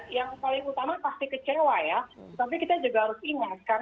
iya yang paling utama pasti kecewa ya